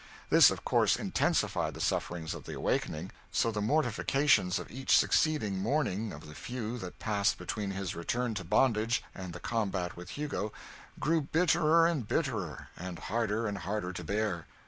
This, of course, intensified the sufferings of the awakening so the mortifications of each succeeding morning of the few that passed between his return to bondage and the combat with Hugo, grew bitterer and bitterer, and harder and harder to bear.